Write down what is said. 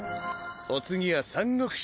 お次は「三国志」？